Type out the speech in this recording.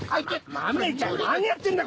マメちゃん何やってんだよ